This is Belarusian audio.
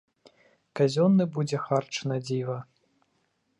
Казённы будзе харч надзіва.